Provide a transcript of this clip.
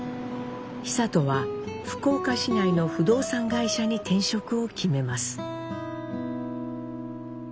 久渡は福岡市内の不動産会社に転職を決めます。